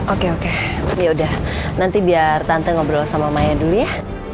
oke oke yaudah nanti biar tante ngobrol sama maya dulu ya